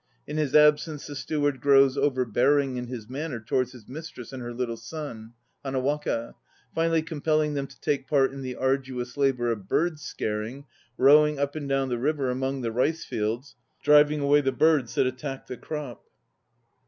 In his absence the steward grows overbearing in his manner towards his mistress and her litttle son, Hanawaka, finally compelling them to take part in the arduous labour of "bird scaring,"' rowing up and down the river among the rice fields, driving away the birds that attack the crop.